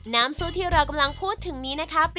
น้ำซุปที่เรากำลังพูดถึงนี้นะครับ